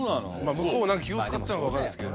向こうも気を使ってるのか分からないですけど。